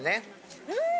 うん！